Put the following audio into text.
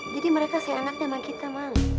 jadi mereka sayang anaknya sama kita mang